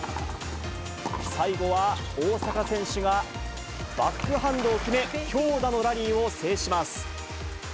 最後は大坂選手がバックハンドを決め、強打のラリーを制します。